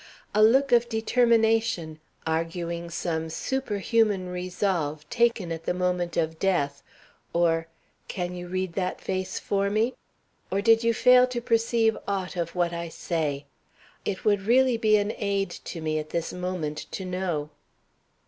A look of determination, arguing some superhuman resolve taken at the moment of death, or can you read that face for me? Or did you fail to perceive aught of what I say? It would really be an aid to me at this moment to know."